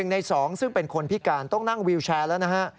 ใน๒ซึ่งเป็นคนพิการต้องนั่งวิวแชร์แล้วนะฮะ